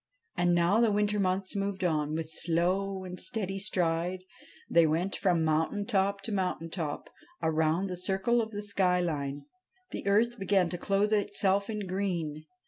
And now the winter months moved on. With slow and steady stride they went from mountain top to mountain top, around the circle of the sky line. The earth began to clothe itself in green.